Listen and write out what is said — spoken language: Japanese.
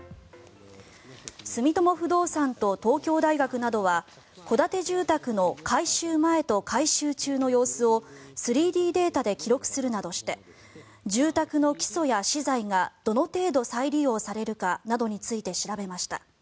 住友不動産と東京大学などは戸建て住宅の改修前と改修中の様子を３Ｄデータで記録するなどして住宅の基礎や資材がどの程度再利用されるかなどについて調べました。